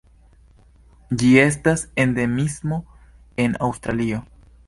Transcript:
Ĝi estas endemismo en Aŭstralio.